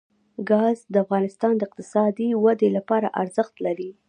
ګاز د افغانستان د اقتصادي ودې لپاره ارزښت لري.